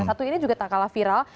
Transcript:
satu ini juga tak kalah viral